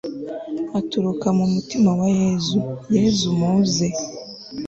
aturuka ku mutima wa yezu, yezu muze